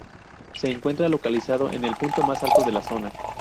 Se encuentra localizado en el punto más alto de la zona.